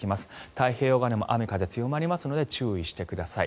太平洋側でも雨風が強まりますので注意してください。